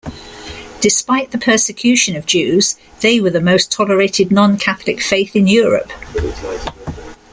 Despite the persecution of Jews, they were the most tolerated non-Catholic faith in Europe.